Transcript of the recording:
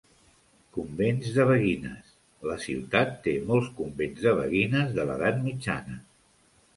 Convents de beguines: la ciutat té molts convents de beguines de l'Edat mitjana.